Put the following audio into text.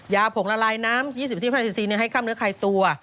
ยาผงละลายน้ำ๒๐ซีนให้ค่ำเนื้อใครตัว